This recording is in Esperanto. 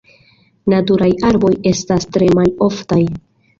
Naturaj arboj estas tre maloftaj.